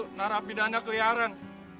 menarap bidana keliaran